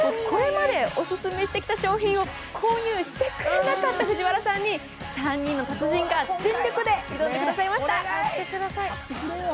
これまで、お勧めしてきた商品を購入してくださらなかった藤原さん３人の達人が全力で挑んでくださいました。